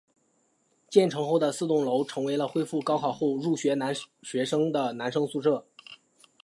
建成后的四栋楼成为了恢复高考后入学学生的男生宿舍。